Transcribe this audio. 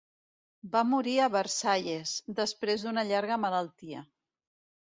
Va morir a Versalles després d'una llarga malaltia.